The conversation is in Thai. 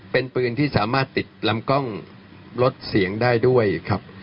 เป็นปืนที่สามารถติดลำกล้องลดเสียงได้ด้วยครับ